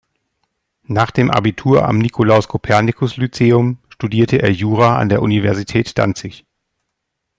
Nach dem Abitur am Nikolaus-Kopernikus-Lyzeum studierte er Jura an der Universität Danzig.